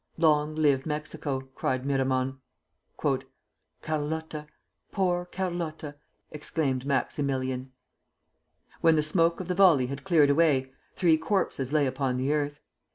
"Long live Mexico!" cried Miramon. "Carlotta! Poor Carlotta!" exclaimed Maximilian. When the smoke of the volley had cleared away, three corpses lay upon the earth.